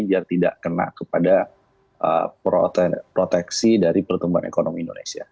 biar tidak kena kepada proteksi dari pertumbuhan ekonomi indonesia